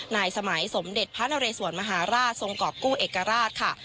สมัยสมเด็จพระนเรสวนมหาราชทรงกรอบกู้เอกราชค่ะ